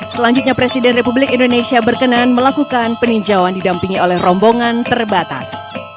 selanjutnya presiden republik indonesia berkenan melakukan peninjauan didampingi oleh rombongan terbatas